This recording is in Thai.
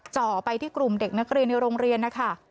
จ่อไปที่กลุ่มเด็กนักเรียนในโรงเรียนนะคะ